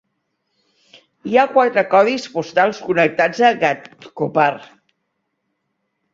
Hi ha quatre codis postals connectats a Ghatkopar.